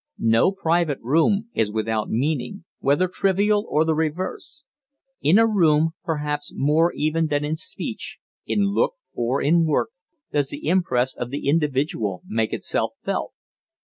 No private room is without meaning whether trivial or the reverse. In a room, perhaps more even than in speech, in look, or in work, does the impress of the individual make itself felt.